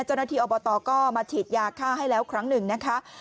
เจ้าหน้าที่อบตก็มาฉีดยาฆ่าให้แล้วครั้งหนึ่งนะคะ